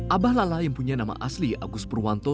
abah lala yang punya nama asli agus purwanto